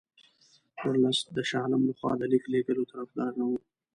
ورلسټ د شاه عالم له خوا د لیک لېږلو طرفدار نه وو.